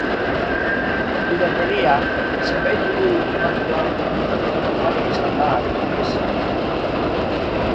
Pirateria, zenbait liburu famatuan jorratutako gaia izan da, adibidez.